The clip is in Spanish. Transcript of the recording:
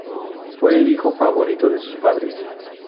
Fue el hijo favorito de sus padres.